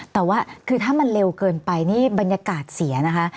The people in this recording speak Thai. แต่ว่าคือถ้ามันเร็วเกินไปนี่บรรยากาศเสียนะคะ